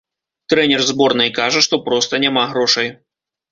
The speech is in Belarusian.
Трэнер зборнай кажа, што проста няма грошай.